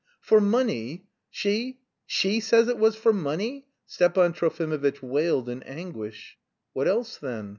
"For money! She, she says it was for money!" Stepan Trofimovitch wailed in anguish. "What else, then?